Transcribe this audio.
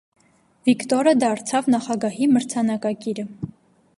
Վիկտորը դարձավ նախագահի մրցանակակիրը։